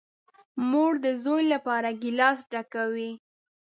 مور ده زوی لپاره گیلاس ډکوي .